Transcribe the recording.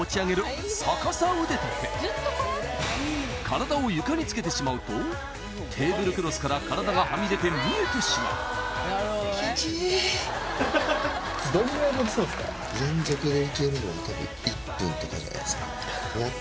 体を床につけてしまうとテーブルクロスから体がはみ出て見えてしまうとかじゃないですかね